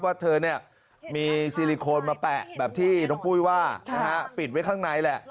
ว่าเธอมีซิลิโคนมาแปะแบบที่น้องปุ้ยว่าปิดไว้ข้างในแหละ